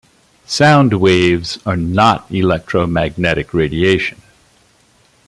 Sound waves are not electromagnetic radiation.